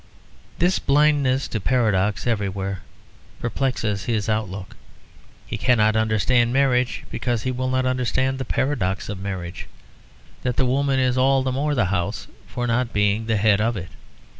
This blindness to paradox everywhere perplexes his outlook. He cannot understand marriage because he will not understand the paradox of marriage; that the woman is all the more the house for not being the head of it.